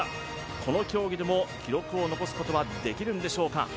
この競技でも記録を残すことはできるんでしょうか